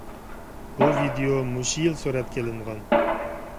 بۇ ۋىدىيو مۇشۇ يىل سۈرەتكە ئېلىنغان.